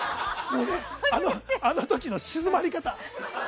あの時の静まり方。